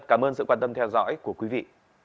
cảm ơn sự quan tâm theo dõi của quý vị